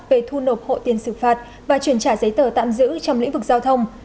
về thu nộp hộ tiền xử phạt và chuyển trả giấy tờ tạm giữ trong lĩnh vực giao thông